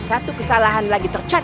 satu kesalahan lagi tercatat